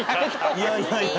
いやいやいや。